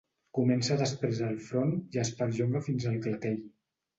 Comença després el front i es perllonga fins al clatell.